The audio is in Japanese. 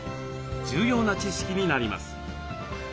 重要な知識になります。